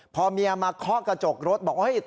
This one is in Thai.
พอเมียมาเคาะกระจกรถบอกว่า